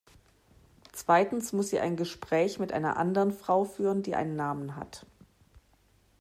Zweitens muss sie ein Gespräch mit einer anderen Frau führen, die einen Namen hat.